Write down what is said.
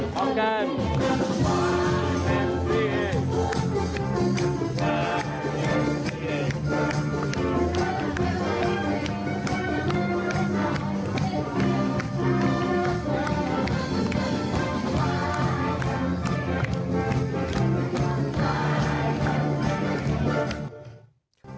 พร้อมกัน